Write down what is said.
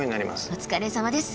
お疲れさまです。